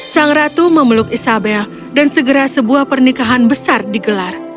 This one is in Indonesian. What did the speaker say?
sang ratu memeluk isabel dan segera sebuah pernikahan besar digelar